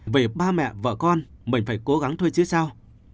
về ba mẹ vợ con mình phải cố gắng thôi chứ sao